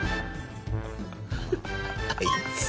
あいつ。